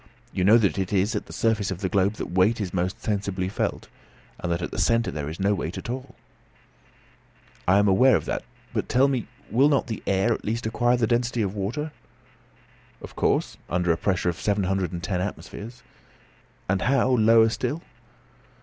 You know that it is at the surface of the globe that weight is most sensibly felt, and that at the centre there is no weight at all." "I am aware of that; but, tell me, will not air at last acquire the density of water?" "Of course, under a pressure of seven hundred and ten atmospheres." "And how, lower down still?"